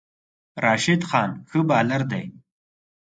راشد خان ښه بالر دی